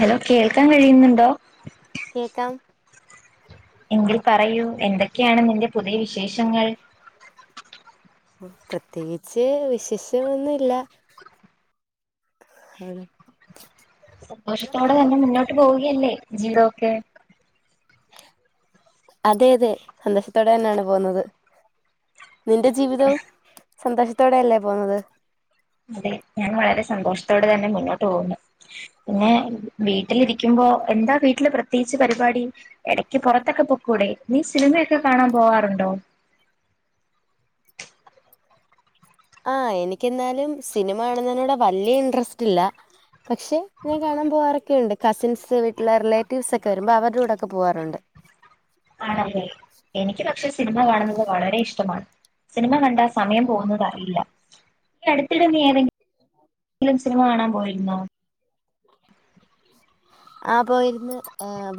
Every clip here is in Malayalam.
ഹലോ കേൾക്കാൻ കഴിയുന്നുണ്ടോ കേക്കാം എങ്കിൽ പറയൂ എന്തൊക്കെയാണ് നിന്റെ പുതി ശേഷങ്ങൾ മൊത്ത് തേച്ച് വിശേഷ്യന്നുല്ല ഹലോ. സന്തോഷത്തോടെ തന്നെ മുന്നോ പോകുകയല്ലേ ജീവിതൊക്കെ. അതെ അതെ സന്തോശത്തോടെ തന്നെയാണ് പോകുന്നത് നിന്റെ ജീവിതോ സന്തോഷത്തോടെയല്ലേ പോവുന്നത് അതെ ഞാൻ വളരെ സന്തോഷത്തോടെ തന്നെ മുന്നോട്ട് പോക്ണ്ട് പിന്നെ വീട്ടിലിരിക്കുമ്പോ എന്താ വീട്ടില് പ്രത്യേകിച്ച് പരിപാടി ഇടക്ക് പുറത്തൊക്കെ പൊക്കൂടെ നീ സിനിമയൊക്കെ കാണാൻ പോവാറുണ്ടോ ആ എനിക്ക്എന്നാലും സിനിമ കാണുന്നതിനോട് വല്യ ഇൻട്രസ്റ്റ് ഇല്ല പക്ഷെ ഞാൻ കാണാൻ പോവാറൊക്കെയുണ്ട് കസിൻസ് വീട്ടിലെ റിലേറ്റീവ്സ് ഒക്കെ വരുമ്പോ അവരുടെ കൂടെയൊക്കെ പോവാറുണ്ട് ആണല്ലേ എനിക്ക് പക്ഷെ സിനിമ കാണുന്നത് വളരെ ഇഷ്ടമാണ് സിനിമ കണ്ടാ സമയം പോകുന്നത് അറിയില്ല ഈ അടുത്തിടെ നീ ഏതെങ്കിലും സിനിമ കാണാൻ പോയിരുന്നോ ആ പോയിര്ന്ന്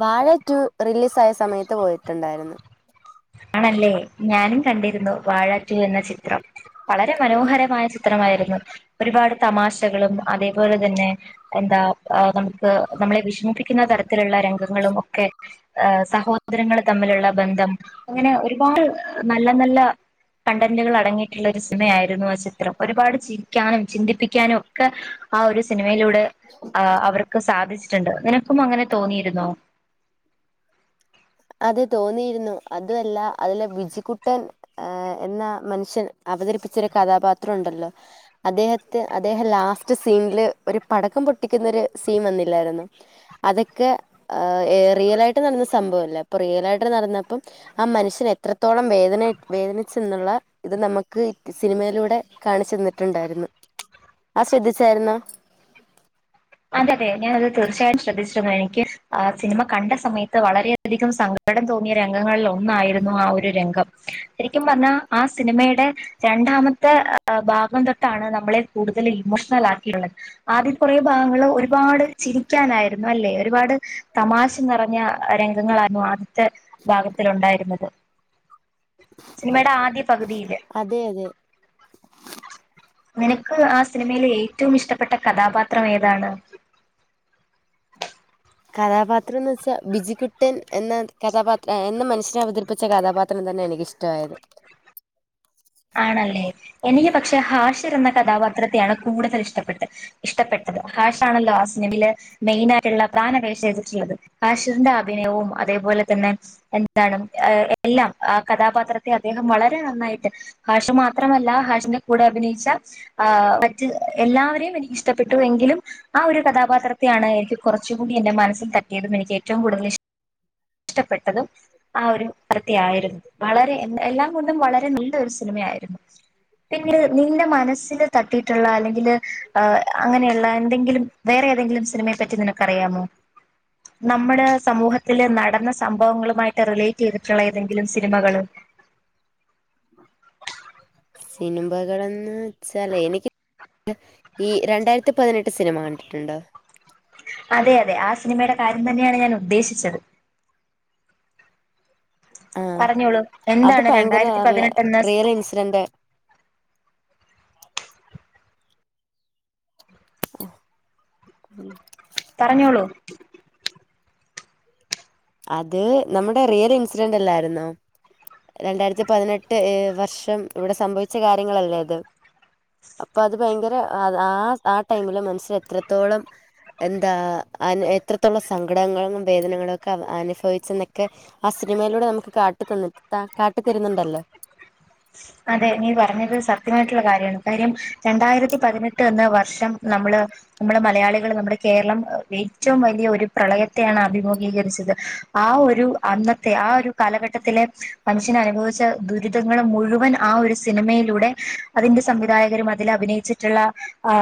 വാഴ റ്റൂ റീലീസ് സായ സമയത്ത് പോയിട്ടുണ്ടായിരുന്നു ആണല്ലേ ഞാനും കണ്ടിരുന്നു വാഴ റ്റു എന്ന ചിത്രം വളരെ മനോഹരമായ ചിത്രമായിരുന്നു ഒരുപാട് തമാശകളും അതേപോലെ തന്നെ എന്താ അ നമുക്ക് നമ്മളെ വിഷമിപ്പിക്കുന്ന തരത്തിലുള്ള രംഗങ്ങളും ഒക്കെ സഹോദരങ്ങൾ തമ്മിലുള്ള ബന്ധം അങ്ങനെ ഒരുപാട് നല്ല നല്ല കണ്ടന്റുകൾ അടങ്ങിയിട്ടുള്ള ഒരു സിനമയായിരുന്നു ആ ചിത്രം ഒരുപാട് ചിരിക്കാനും ചിന്തിപ്പി ക്കാനൊക്കെ ആ ഒരു സിനിമയിലൂടെ അ അവ സാധിച്ചിട്ടുണ്ട് നിനക്കും അങ്ങനെ തോന്നിയിരുന്നോ അതെ തോന്നിയിരുന്നു അതുഅല്ല അതില് വിചികുട്ടൻ എന്ന മനുഷ്യൻ അവതരിപ്പിച്ചൊരു കഥാപാത്രം ഉണ്ടല്ലോ അദ്ദേഹത്ത് അദ്ദേഹം ലാസ്റ്റ് സീനില് ഒരു പടക്കം പൊട്ടിക്കുന്നൊരു സീൻ വന്നില്ലായിരുന്നു അതൊക്കെ ഏ റിയലായിട്ട് നടന്ന സംഭവല്ലേ പ്പ റിയലായിട്ട്ത് നടന്നപ്പം ആ മനുഷ്യന് എത്രത്തോളം വേദന വേദനിച്ചെന്നുള്ള ഇത് നമുക്ക് സിനിമയിലൂടെ കാണിച്ചെന്നിട്ടുണ്ടായിരുന്നു ആ ശ്രദ്ധിച്ചായിരുന്നോ അതെ അതെ ഞാനത് തീർച്ചയായും ശ്രദ്ധിച്ചിരുന്നു എനിക്ക് സിനിമ കണ്ട സമയത്ത് വളരെയധികം സങ്കടം തോന്നിയ രംഗങ്ങളിൽ ഒന്നായിരുന്നു ആ ഒരു രംഗം ശരിക്കും പറഞ്ഞാ ആ സിനിമയുടെ രണ്ടാമത്തെ ഭാഗം തൊട്ടാണ് നമ്മളെ കൂടുതൽ ഇമോഷണൽ ആക്കിയുള്ളത് ആദ്യം കൊറെ ഭാഗങ്ങൾ ഒരുപാട് ചിരിക്കാനായിരുന്നു അല്ലെ ഒരുപാട് തമാശ നിറഞ്ഞ രംഗങ്ങളായിരുന്നു ആദ്യത്തെ ഭാഗത്തിലു ണ്ടായിരുന്നത് സിനിമയുടെ ആദ്യ പകുതിയില് അതെ അതെ നിനക്ക് ആ സിനിമയിലെ ഏറ്റവും ഇഷ്ടപ്പെട്ട കഥാപാ ത്രം ഏതാണ് കഥാപാത്രം എന്ന് വെച്ചാൽ ബിജുകുട്ടൻ എന്ന കഥാപാത്ര എന്ന മനുഷ്യനെ അവതരിപ്പിച്ച കഥാപാത്രം തന്നെ എനിക്കിഷ്ടായത് ആണല്ലേ എനിക്ക് പക്ഷെ ഹാഷിർ എന്ന കഥാപാത്രത്തെയാണ് കൂടുതൽ ഇഷ്ടപ്പെട്ടെ ഇഷ്ടപ്പെട്ടത് ഹാഷാണല്ലോ ആ സിനിമല് മെയിനായിട്ട്ള്ള പ്രധാന വേഷം ചെയ്തിട്ട്ള്ളത് ഹാഷിറിന്റെ അഭിനയവും അതേപോലെ തന്നെ എന്താണ് എല്ലാം ആ കഥാപാത്രത്തെ അദ്ദേഹം വളരെ നന്നായിട്ട്- ഹാഷ് മാത്രമല്ല ഹാഷിന്റെ കൂടെ അഭിനയിച്ച ആ മറ്റ് എല്ലാവരെയും എനിക്ക് ഇഷ്ടപ്പെട്ടു എങ്കിലും ആ ഒരു കഥാപാത്രത്തെയാണ് എനിക്ക് കുറച്ചുകൂടി എന്റെ മനസ്സിൽ തട്ടിയതും എനിക്ക് ഏറ്റവും കൂടുതൽ ഇഷ് ഇഷ്ടപ്പെട്ടതും ആ ഒരു വൃത്തിയായിരുന്നു വളരെ എ എല്ലാം കൊണ്ടും വളരെ നല്ല ഒരു സിനിമയായിരുന്നു പിന്നെ നിന്റെ മനസ്സില്- തട്ടിയിട്ടുള്ള അല്ലെങ്കിൽ അ അങ്ങനെയുള്ള എങ്കിലും വേറെതെങ്കിലും സിനമ പറ്റി നിനക്കറിയമോ നമ്മുടെ സമൂത്തില് നട സംഭവങ്ങളുമായിട്ട് റിലേ ലേറ്റ് ചെയ്തിട്ടുള്ള ഏതെങ്കിലും സിനിമകള്- സിനിമകളെന്ന് വെച്ചാലേ എനിക്ക് ഈ രണ്ടായിരത്തിപതിനെട്ട് സിനിമ കണ്ടിട്ടുണ്ടോ അതെ അതെ ആ സിനിമയുടെ കാര്യം തന്നെയാണ് ഞാൻ ഉദ്ദേശിച്ചത് ആ പറഞ്ഞോളൂ അത് എന്താണ് ഭയങ്കര രണ്ടായിരത്തി പതിനെട്ട് എന്ന- റിയൽ ഇൻസിഡന്റ് മ് പറഞ്ഞോളൂ. അത് നമ്മുടെ റിയൽ ഇൻസിഡന്റ് അല്ലായിരുന്നോ രണ്ടായിരത്തി പതിനെട്ട് വർഷം ഇവിടെ സംഭവിച്ച കാര്യങ്ങളല്ലേ അത് അപ്പൊ അത് ഭയങ്കര ആ ആ ടൈമില് മനുഷ്യര് എത്രത്തോളം എന്താ എത്രത്തോളം സങ്കടങ്ങളും വേദനകളൊ ക്കെ അനുഫവിച്ചന്നൊക്കെ ആ സിനിമയിലൂടെ നമുക്ക് കാട്ടി തന്ന് ത കാട്ടി തരുന്നുണ്ടല്ലോ അതെ നീ പറഞ്ഞത് സത്യമായിട്ടുള്ള കാര്യമാണ് കാര്യം രണ്ടായിരത്തി പതിനെട്ട് എന്ന വർഷം നമ്മള് നമ്മള് മലയാളികൾ നമ്മുടെ കേരളം ഏറ്റവും വലിയ ഒരു പ്രളയത്തെയാണ് അഭിമുഖീകരിച്ചത് ആ ഒരു അന്നത്തെ ആ ഒരു കാലഘട്ടത്തിലെ മനുഷ്യൻ അനുഭവിച്ച ദുരിതങ്ങൾ മുഴുവന ആ ഒരു സിനിമയിലൂടെ അതിന്റെ സംവിധായകരും അതിൽ അഭിനയിച്ചിട്ടുള്ള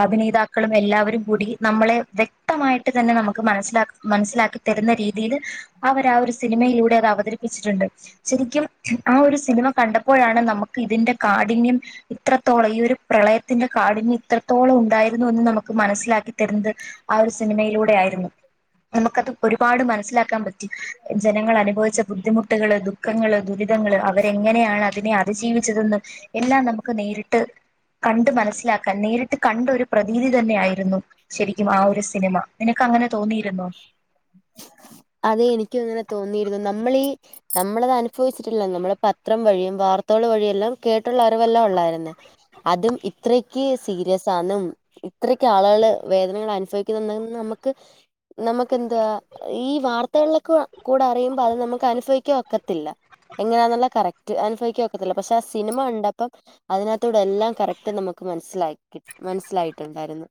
അഭിന നേതാക്കളും എല്ലാവരും കൂടി നമ്മളെ വ്യക്തമായിട്ട് തന്നെ നമുക്ക് മനസ്സിലാക്ക മനസ്സിലാക്കി തരുന്ന രീതിയിൽ അവരാ ഒരു സ് സിനിമയിലൂടെ അത് അവതരി ച്ചിട്ടുണ്ട് ശരിക്കും ആ ഒരു സിനിമ കണ്ടപ്പോഴാണ് നമുക് ഇതിന്റെ കാഠിന്യം ഇത്രത്തോളം ഈ ഒരു പ്രളയത്തിന്റെ കാഠിന്യം ഇത്രത്തോളം ഉണ്ടായ ഇതൊന്ന് നമുക്ക് മനസ്സിലാക്കി തരുന്നത് ആ ഒരു സിനിമയിലൂടെ ആയിരുന്നു നമുക്കത് ഒരുപാട് മനസ്സിലാക്കാൻ പ റ്റി ജനങ്ങൾ അനുഭവിച്ച ബുദ്ധിമുട്ടുകളേതും ദുഃഖങ്ങള് ദുരിതങ്ങള് അവരെങ്ങനെയാണ് അതിനെ അതിജീവി ച്ചതെന്ന് എല്ലാം നമുക്ക് നേരിട്ട് കണ്ട് മനസ്സിലാക്കാൻ നേരിട്ട് കണ്ട ഒരു പ്രതീതി തന്നെ ആായിരുന്നു ശരിക്കും ആ ഒരു സിനിമ നിനക്ക് അങ്ങനെ തോന്നിയിരുന്നോ? അതെ എനിക്കുമങ്ങനെ തോന്നിയിരുന്നു നമ്മളീ നമ്മളത് അനുഫവിച്ചിട്ടില്ല നമ്മള് പത്രം വഴിയും വാർത്തകൾ വഴിയെല്ലാം കേട്ടുള്ള അറിവെല്ലാം ഉള്ളായിരുന്നു അതും ഇത്രക്ക് സീരിയസാന്നും ഇത്രക്ക് ആളുകൾ വേദനകൾ അനുഫവിക്കുന്ന നമുക്ക് നമ്മുക്കെന്താ ഈ വാർത്തകളിലൊക്ക കൂടെ അറിയുമ്പോ അത് നമുക്ക് അനുഫവിക്കാൻ ഒക്കത്തില്ല എങ്ങനാന്നുള്ള കറക് റ്റ് അനുഫവിക്കാനൊക്കത്തില്ല പക്ഷെ ആ സിനിമ കണ്ടപ്പം അതിനാത്തൂടെ എല്ലാം കറക്റ്റ് നമുക്ക് മനസ്സിലായി കിട് മനസ്സിലായിട്ടുണ്ടായിരുന്നു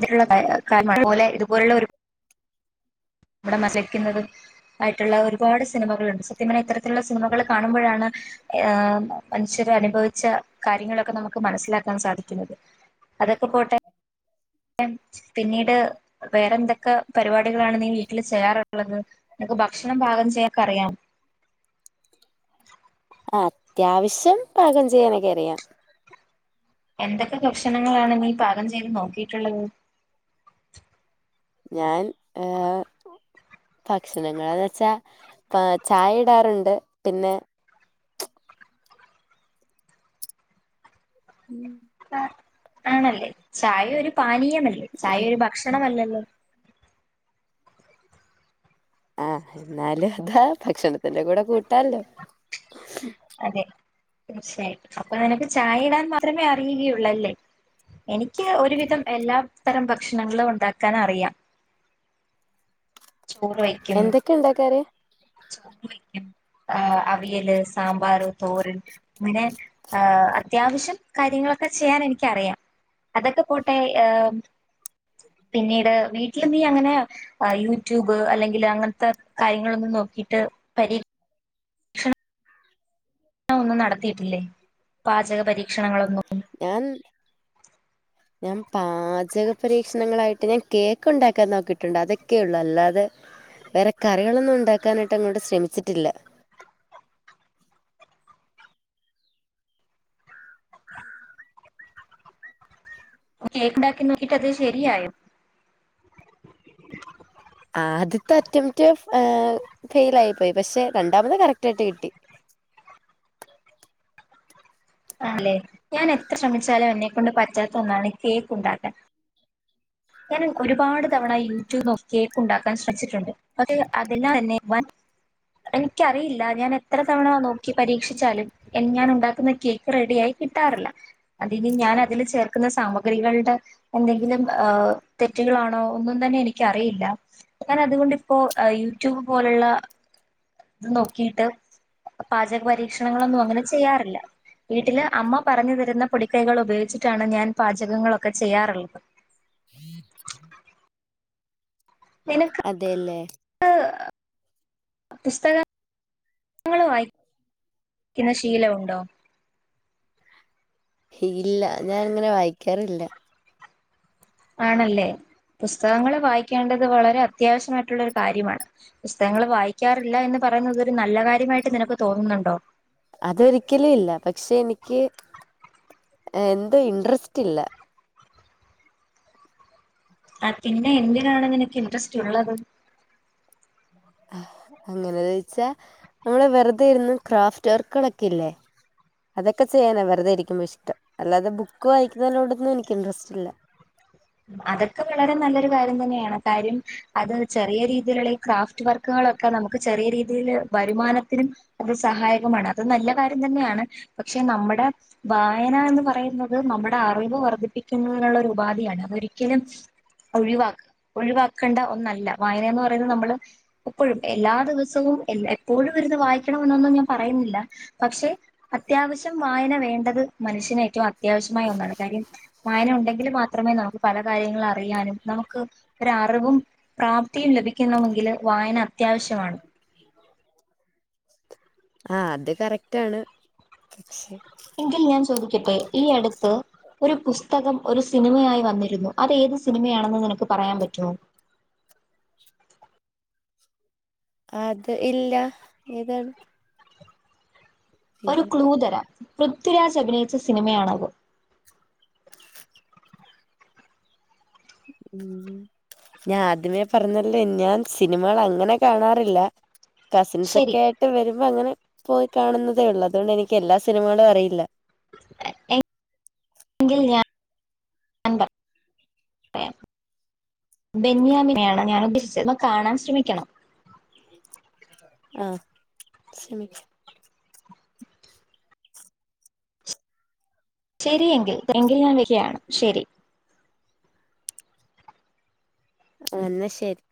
[unintelligible] ഇതുപോലുള്ള ഒരു ഇവിടെ മസിക്കുന്നത് ആയിട്ടുള്ള ഒരുപാട് സ് സിനിമകളുണ്ട് സത്യം പറഞ്ഞ ഇത്തരത്തിലുള്ള സിനിമകൾ കാണുമ്പോഴാണ് ഏഹ് മനുഷ്യരനുഭവിച്ച കാര്യങ്ങളൊക്കെ നമുക്ക് മനസിലാക്കാൻ സാധിക്കുന്നത് അതൊക്കെ പോട്ടെ പിന്നീട് വേറെ എന്തൊക്കെ പരിപാടികളാണ് നീ വീട്ടിൽ ചെയ്യാറുള്ളത് നിനക്ക് ഭക്ഷണം പാകം ചെയ്യാനൊക്കെ അറിയാവോ ആ അത്യാവശ്യം പാകം ചെയ്യാനൊക്കെ അറിയാം എന്തൊക്കെ ഭക്ഷണങ്ങളാണ് നീ പാകം ചെയ്ത് നോക്കിട്ടുള്ളത് ഞാൻ ഏഹ് ഭക്ഷണങ്ങളെന്ന് വെച്ചാ ചായ ഇടാറുണ്ട് പിന്നെ ഉം ആ ആണല്ലേ ചായ ഒരു പാനീയ് നീയമല്ലേ ചായ ഒരു ഭക്ഷണമല്ല [unintelligible] ആഹ് എന്നാലു അതാ ഭക്ഷണത്തിന്റെ കൂടെ കൂട്ടാല്ലോ അതെ തീർച്ചയായിട്ടും അപ്പൊ നിനക്ക് ചായ ഇടാൻ മാത്രമേ അറിയുകയുള്ളൂ അല്ലേ എനിക്ക് ഒരുവിധം എല്ലാ തരം ഭക്ഷണങ്ങളും ഉണ്ടാക്കാൻ അറിയാം ചോറ് വയ്ക്കും എന്തൊക്കെ ഉണ്ടാക്കനറിയാ ചോറ് വയ്ക്കും, ആഹ് അവിയല്, സാമ്പാറ്, തോരൻ, അങ്ങനെ ആഹ് അത്യാവശ്യ കാര്യങ്ങളൊക്കെ ചെയ്യാൻ എനിക്കറിയാം, അതൊക്കെ പോട്ടെ പിന്നീട് വീട്ടില് നീ അങ്ങനെ ആഹ് യൂട്യൂബ് അല്ലെങ്കിൽ അങ്ങനത്തെ കാര്യങ്ങളൊന്നും നോക് ട്ട് പരി ശ താൻ ഒന്നും നടത്തിയിട്ടില്ലേ പാചക പരീക്ഷണങ്ങളോ ഞാൻ ഞാൻ പാചക പരീക്ഷണങ്ങളായിട്ട് ഞാൻ കേക്ക് ഉണ്ടാക്കാൻ നോക്കിയിട്ടുണ്ട് അതൊക്കെയ ഉള്ളു അല്ലാതെ വേറെ കറികളൊന്നും ഉണ്ടാക്കാനായിട്ട് അങ്ങോട്ട് ശ്രമിച്ചിട്ടില്ല കേക്ക് ഉണ്ടാക്കി നോക്കിട്ടത് ശെരിയായോ ആദ്യത്തെ അറ്റംപ്റ്റ് ഫെയിൽ ആയി പോയി. പക്ഷെ രണ്ടാമത് കറക്റ്റ് ആയിട്ട് കിട്ടി അല്ലേ ഞാൻ എത്ര ശ്രമിച്ചാലും എന്നെ നെ കൊണ്ട് പറ്റാത്ത ഒന്നാണ് കേക്ക് ഉണ്ടാക്കാൻ ഞാൻ ഒരുപാട് തവണ യൂട്യൂബ് നോക്കി കേക്ക് ഉണ്ടാക്കാൻ ശ്രമിച്ചിട്ടുണ്ട് അതെല്ലാം തന്നെ വൻ എനിക്കറിയില്ല ഞാൻ എത്ര തവണ നോക്കി പരീക്ഷിച്ചാലും ഞാൻ ഉണ്ടാക്കുന്ന കേക്ക് റെഡി ആയി കിട്ടാറില്ല അതിനി ഞാൻ അതിൽ ചേർക്കുന്ന സാമഗ്രികളുടെ എന്തെങ്കിലും ഏ തെറ്റുകളാണോ ഒന്നും തന്നെ എനിക്കറിയില്ല ഞാൻ അതുകൊണ്ടിപ്പോ യൂട്യൂബ് പോലുള്ള ഇത് നോക്കിട്ട് പാചക പരീക്ഷണങ്ങളൊന്നും അങ്ങനെ ചെയ്യാറില്ല വീട്ടില് അമ്മ പറഞ്ഞു തരുന്ന പൊടിക്കൈകൾ ഉപയോഗിച്ചിട്ടാണ് ഞാൻ പാചകങ്ങളൊക്കെ ചെയ്യാറുള്ളത് നിനക്ക് അതെല്ലേ ക്ക് പുസ്തകങ്ങള് വായിക്കുന്ന ശീലണ്ടോ ഇല്ല ഞാൻ ഇങ്ങനെ വായിക്കാറില്ല ആണല്ലേ പുസ്തകങ്ങള് വായിക്കേണ്ടത് വളരെ അത്യാവശ്യമായിട്ടുള്ളൊരു കാര്യമാണ് പുസ്തകങ്ങൾ വായിക്കാറില്ല എന്ന് പറയുന്നത്തരു നല്ല കാര്യമായിട്ട് നിനക്ക് തോന്നുന്നുണ്ടോ അതൊരിക്കലും ഇല്ല പക്ഷെ എനിക്ക് എന്തോ ഇൻട്രസ്റ്റ് ഇല്ല ആ പിന്നെ എന്തിനാണ് നിനക്ക് ഇൻട്രസ്റ്റ്ള്ളത് അങ്ങനെ ചോയ്ച്ചാ നമ്മള് വെറുതൊയിരുന്നു ക്രാഫ്റ്റ് വർക്കുകളൊക്കെ ഇല്ലേ അതൊക്കെ ചെയ്യാനാ വെറുതെ ഇരിക്കുമ്പോ ഇഷ്ടം അല്ലാതെ ബുക്ക് വായിക്കുന്നലോടൊന്നും എനിക്ക് ഇൻട്രസ്റ്റ് ഇല്ല അതൊക്കെ വളരെ നല്ലൊരു കാര്യം തന്നെയാണ് കാര്യം അത് ചെറിയ രീതിയിലുള്ള ഈ ക്രാഫ്റ്റ് വർക്കുകളൊക്കെ നമുക്ക് ചെറിയ രീതിൽ വരുമാനത്തിനും അത് സഹായകമാണ് അത് നല്ല കാര്യം തന്നെയാണ് പക്ഷെ നമ്മുടെ വായന എന്ന് പറയുന്നത് നമ്മുടെ അറിവ് വർദ്ധിപ്പിക്കുന്നതിനുള്ള ഒരു ഉപാധിയാണ് ഒരിക്കലും ഒഴിവ ഒഴിവാക്കേണ്ട ഒന്നല്ല വായന എന്ന് പറയുന്നത് നമ്മള് എപ്പോഴും എല്ലാ ദിവസവും എപ്പോഴും വരുന്ന് വായിക്ക വേണന്നൊന്നും ഞാൻ പറയുന്നില്ല പക്ഷെ അത്യാവശ്യം വായന വേണ്ടത് മനുഷ്യന് ഏറ്റവും അത്യാവശ്യമായ ഒന്നാണ് കാര്യം വായന ഉണ്ടെങ്കിൽ മാത്രമേ നമു പല കാര്യങ്ങൾ അറിയാനും നമുക്ക് ഒരു അറിവും പ്രാപ്തിയും ലഭിക്കുന്നുമെങ്കിൽ വായന അത്യാവശ്യമാണ് ആഹ് അത് കറക്റ്റാണ് പക്ഷെ എങ്കിൽ ഞാൻ ചോദിക്കട്ടെ ഈ അടുത്ത് ഒരു പുസ്ത പുസ്തകം ഒരു സിനിമയായി വന്നിരുന്നു അത് ഏത് സിനിമയാണെന്ന് നിനക്ക് പറയാൻ പറ്റുവോ അത് ഇല്ല ഏതാത് ഒരു ക്ലൂ തരാം പൃഥ്വിരാജ് അഭിനയിച്ച സിനിമയാണത് [unintelligible] ഞാൻ ആദ്യമേ പറഞ്ഞല്ലേ ഞാൻ സിനിമകൾ അങ്ങനെ കാണാറില്ല കസിൻസ് ശരി ഒക്കെ ആയിട്ട് വരും അങ്ങനെ പോയി കാണുന്നതേ ഉള്ളൂ അതുകൊണ്ട് എനിക്ക് എല്ലാ സിനിമകളും അറിയില്ല എങ്കിൽ ഞാൻ പറയാം ബെന്യാമിനെയാണ് ഞാൻ ഉദ്ദേശിച്ചത് കാണാൻ ശ്രമിക്കണം ആഹ് ശ്രമി ശരിയെങ്കില് എങ്കില് ഞാൻ വെക്കയാണ് ശരി ആ എന്നാ ശരി